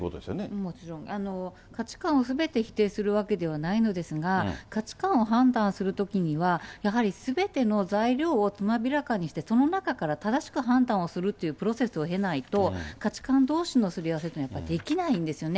もちろん、価値観をすべて否定するわけではないのですが、価値観を判断するときには、やはりすべての材料をつまびらかにして、その中から正しく判断をするというプロセスを経ないと、価値観どうしのすり合わせというのはできないんですよね。